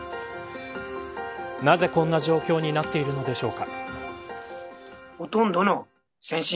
なぜ、こんな状況になっているのでしょうか。